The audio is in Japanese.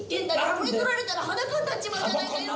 これ取られたら裸になっちまうじゃないかよ！」